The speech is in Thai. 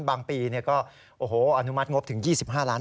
บางปีก็อนุมัติงบถึง๒๕ล้าน